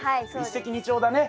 一石二鳥だね。